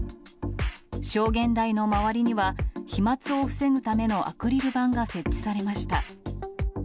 証言台の周りには、飛まつを防ぐためのアクリル板が設置されました。